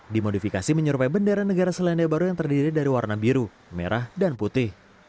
dimodifikasi menyerupai bendera negara selandia baru yang terdiri dari warna biru merah dan putih